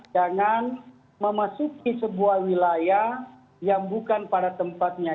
jangan memasuki sebuah wilayah yang bukan pada tempatnya